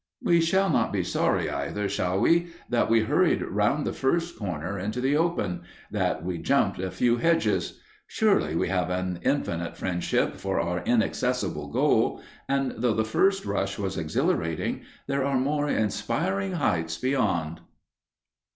We shall not be sorry either, shall we, that we hurried round the first corner into the open that we jumped a few hedges? Surely we have an infinite friendship for our inaccessible goal, and though the first rush was exhilarating, there are more inspiring heights beyond!